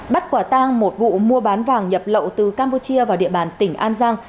bắt quả tang một vụ mua bán vàng nhập lậu từ campuchia vào địa bàn tỉnh an giang